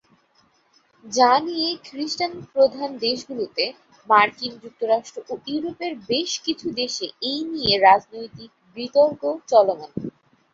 যা নিয়ে খ্রিস্টান প্রধান দেশগুলোতে, মার্কিন যুক্তরাষ্ট্র ও ইউরোপের বেশ কিছু দেশে এই নিয়ে রাজনৈতিক বিতর্ক চলমান।